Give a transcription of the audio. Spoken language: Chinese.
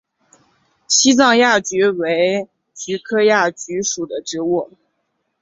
西藏亚菊为菊科亚菊属的植物。